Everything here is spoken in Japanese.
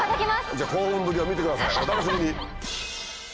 じゃ興奮ぶりを見てくださいお楽しみに。